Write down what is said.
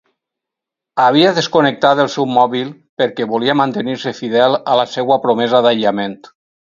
Havia desconnectat el seu mòbil perquè volia mantenir-se fidel a la seua promesa d'aïllament.